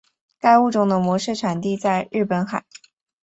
该物种的模式产地在日本海。